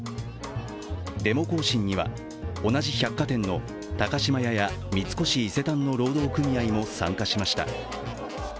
デモ行進には、同じ百貨店の高島屋や三越伊勢丹の労働組合も参加しました。